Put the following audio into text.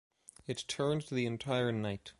It turned the entire night...